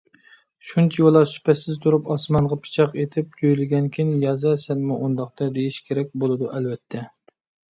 شۇنچىۋالا سۈپەتسىز تۇرۇپ ئاسمانغا پىچاق ئېتىپ جۆيلىگەنكىن يازە سەنمۇ ئۇنداقتا دېيىش كېرەك بولىدۇ، ئەلۋەتتە.